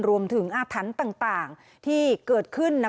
รวมถึงอาธันต์ต่างที่เกิดขึ้น